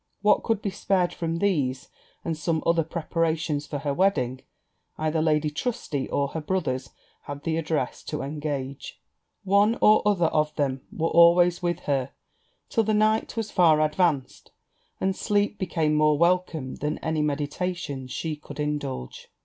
What could be spared from these, and some other preparations for her wedding, either Lady Trusty, or her brothers, had the address to engage: one or other of them were always with her, till the night was far advanced, and sleep became more welcome than any meditations she could indulge.